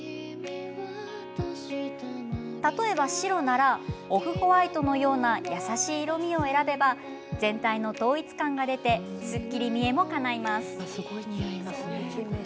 例えば白ならオフホワイトのような優しい色みを選べば全体の統一感が出てすっきり見えも、かないます。